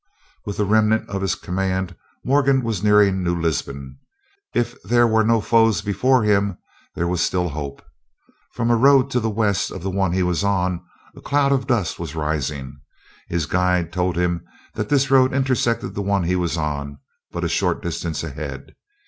With the remnant of his command, Morgan was nearing New Lisbon. If there were no foes before him there was still hope. From a road to the west of the one he was on, a cloud of dust was rising. His guide told him that this road intersected the one he was on but a short distance ahead.